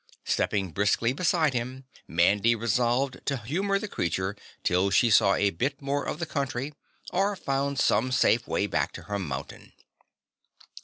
Stepping briskly beside him, Mandy resolved to humor the creature till she saw a bit more of the country or found some safe way back to her mountain.